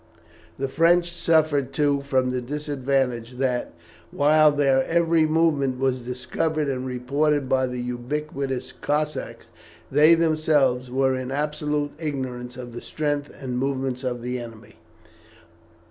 The French suffered, too, from the disadvantage that, while their every movement was discovered and reported by the ubiquitous Cossacks, they themselves were in absolute ignorance of the strength and movements of the enemy.